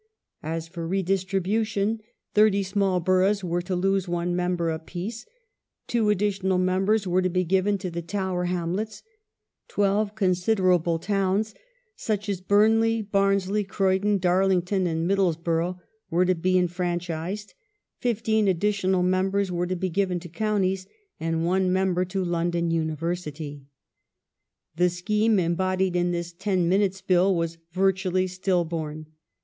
As for redistribution, thirty small boroughs were to lose one member apiece ; two additional membei s were to be given to the Tower Hamlets, twelve considerable towns such as Burnley, Barnsley, Croydon, Darlington, and Middlesbrough were to be enfranchised : fifteen additional members were to be given to counties, and one member to London University. The scheme embodied in this " Ten Minutes Bill " was virtually still born.